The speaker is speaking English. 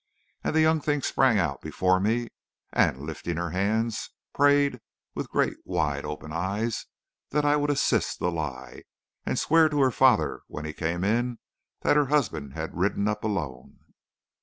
And the young thing sprang out before me, and lifting her hands, prayed with great wide open eyes that I would assist the lie, and swear to her father, when he came in, that her husband had ridden up alone.